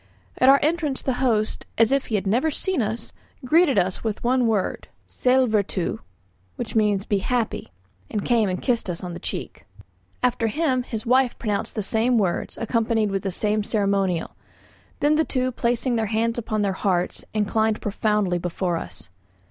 At our entrance the host, as if he had never seen us, greeted us with the word "Sællvertu," which means "be happy," and came and kissed us on the cheek. After him his wife pronounced the same words, accompanied with the same ceremonial; then the two placing their hands upon their hearts, inclined profoundly before us.